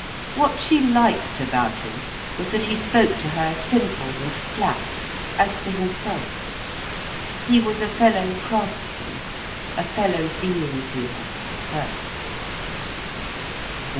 What she liked about him was that he spoke to her simple and flat, as to himself. He was a fellow craftsman, a fellow being to her, first.